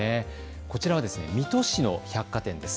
こちらは水戸市の百貨店です。